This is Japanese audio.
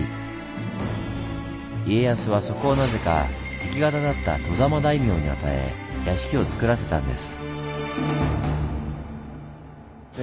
家康はそこをなぜか敵方だった外様大名に与え屋敷をつくらせたんです。